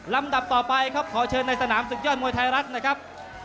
ดับต่อไปครับขอเชิญในสนามศึกยอดมวยไทยรัฐนะครับ